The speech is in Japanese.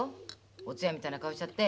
お通夜みたいな顔しちゃって。